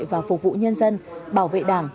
và phục vụ nhân dân bảo vệ đảng